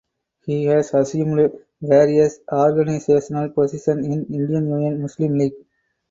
He has assumed various organisational positions in Indian Union Muslim League.